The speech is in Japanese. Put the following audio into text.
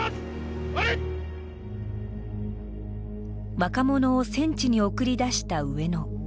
若者を戦地に送り出した上野。